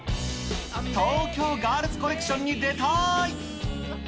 東京ガールズコレクションに出たい。